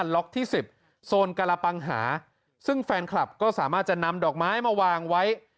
ล็อกที่สิบโซนกระปังหาซึ่งแฟนคลับก็สามารถจะนำดอกไม้มาวางไว้